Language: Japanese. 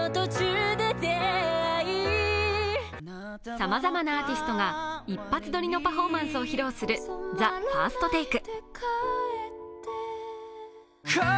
さまざまアーティストが一発撮りのパフォーマンスを披露するＴＨＥＦＩＲＳＴＴＡＫＥ。